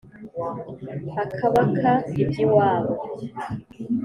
akabaka iby”iwabo